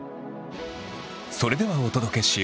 それではお届けしよう。